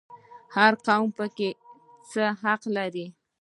هر قوم پکې څه حق لري؟